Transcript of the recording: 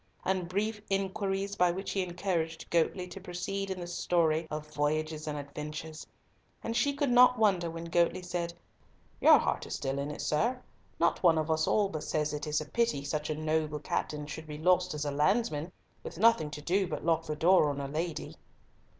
and brief inquiries by which he encouraged Goatley to proceed in the story of voyages and adventures, and she could not wonder when Goatley said, "Your heart is in it still, sir. Not one of us all but says it is a pity such a noble captain should be lost as a landsman, with nothing to do but to lock the door on a lady."